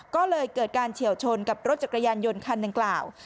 ก็เลยเกิดการเฉียวชนกับรถจักรยานยนต์คันดังกล่าว